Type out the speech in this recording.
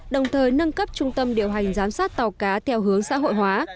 đồng thời nâng cấp trung tâm điều hành giám sát tàu cá theo hướng xã hội hóa